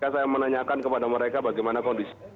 saya menanyakan kepada mereka bagaimana kondisi